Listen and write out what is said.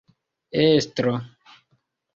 estro